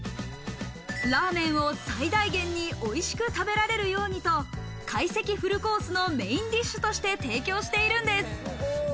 ラーメンを最大限においしく食べられるようにと懐石フルコースのメインディッシュとして提供しているんです。